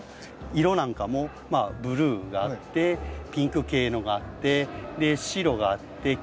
色なんかもブルーがあってピンク系のがあって白があって黄色があって。